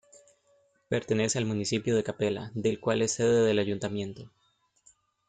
Pertenece al municipio de Capela, del cual es sede del Ayuntamiento.